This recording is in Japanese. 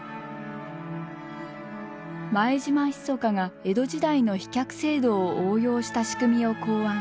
前島密が江戸時代の飛脚制度を応用した仕組みを考案。